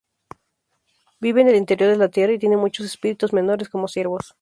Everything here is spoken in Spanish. Vive en el interior de la tierra y tiene muchos espíritus menores como siervos.